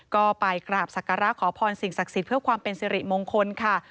ก็ไปกราบศักระขอพรสิ่งศักดิ์สิทธิ์เพื่อความเป็นสิริมงคลค่ะ